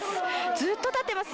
ずっと立ってます。